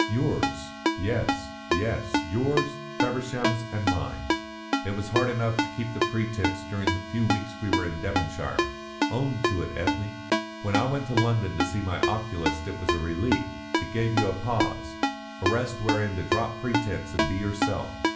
"Yours. Yes yes, yours, Feversham's, and mine. It was hard enough to keep the pretence during the few weeks we were in Devonshire. Own to it, Ethne! When I went to London to see my oculist it was a relief; it gave you a pause, a rest wherein to drop pretence and be yourself.